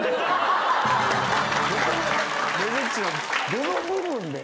どの部分で？